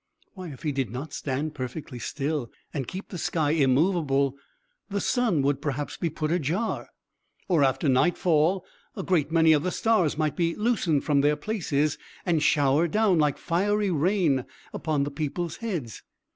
Why, if he did not stand perfectly still, and keep the sky immovable, the sun would perhaps be put ajar! Or, after nightfall, a great many of the stars might be loosened from their places, and shower down, like fiery rain, upon the people's heads!